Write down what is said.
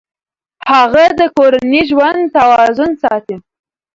هغه د کورني ژوند توازن ساتي.